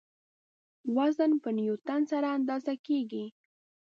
وزن په نیوټن سره اندازه کیږي.